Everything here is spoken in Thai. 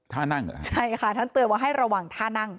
ท่านั่งเหรอใช่ค่ะท่านเตือนว่าให้ระวังท่านั่ง